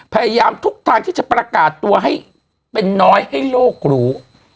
พยายามทุกทางที่จะประกาศตัวให้เป็นน้อยให้โลกรู้